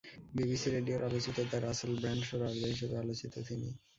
BBC রেডিওর আলোচিত the Russell Brand শোর আরজে হিসেবে আলোচিত তিনি।